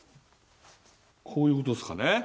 こういうことですかね。